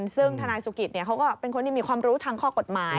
ซึ่งธนายสุกิตเขาก็เป็นคนที่มีความรู้ทางข้อกฎหมาย